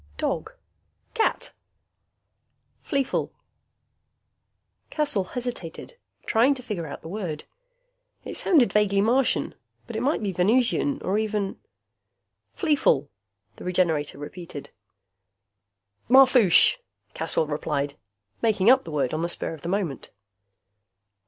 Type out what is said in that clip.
"Dog?" "Cat." "Fleefl?" Caswell hesitated, trying to figure out the word. It sounded vaguely Martian, but it might be Venusian or even "Fleefl?" the Regenerator repeated. "Marfoosh," Caswell replied, making up the word on the spur of the moment.